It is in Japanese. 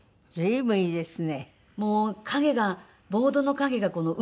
ああいいですね。